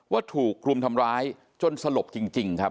ถูกรุมทำร้ายจนสลบจริงครับ